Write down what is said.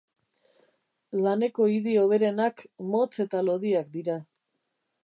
Laneko idi hoberenak motz eta lodiak dira.